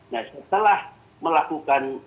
nah setelah melakukan